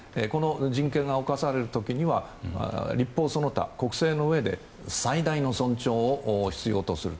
人権が犯される時には立法その他国政のうえで最大の尊重を必要とする。